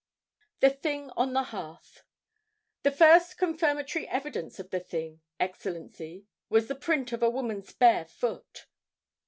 The Thing on the Hearth "THE first confirmatory evidence of the thing, Excellency, was the print of a woman's bare foot."